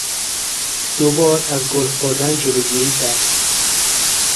او دوبار از گل خوردن جلوگیری کرد.